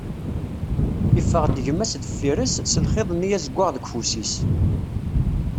Iffeɣ-d gma-s deffir-s, s lxiḍ-nni azeggaɣ deg ufus-is.